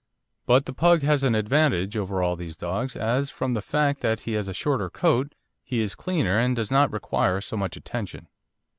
But the Pug has an advantage over all these dogs as, from the fact that he has a shorter coat, he is cleaner and does not require so much attention.